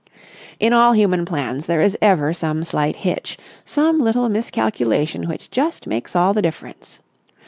In all human plans there is ever some slight hitch, some little miscalculation which just makes all the difference.